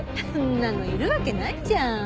そんなのいるわけないじゃん。